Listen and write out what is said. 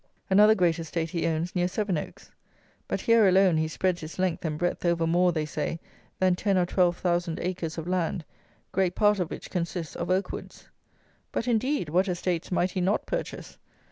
Another great estate he owns near Sevenoaks. But here alone he spreads his length and breadth over more, they say, than ten or twelve thousand acres of land, great part of which consists of oak woods. But, indeed, what estates might he not purchase?